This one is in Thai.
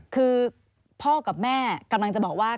คือพ่อกับแม่กำลังจะบอกว่า